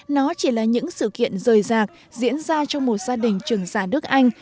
nó chỉ là những sự kiện rời rạc diễn ra trong một gia đình trường giả nước anh